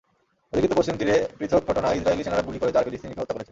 অধিকৃত পশ্চিম তীরে পৃথক ঘটনায় ইসরায়েলি সেনারা গুলি করে চার ফিলিস্তিনিকে হত্যা করেছে।